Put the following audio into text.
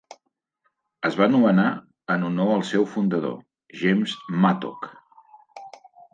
Es va nomenar en honor al seu fundador, James Mattock.